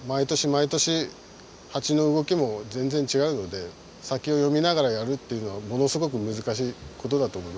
毎年ハチの動きも全然違うので先を読みながらやるというのはものすごく難しいことだと思いますね。